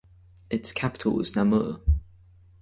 Its capital was Namur.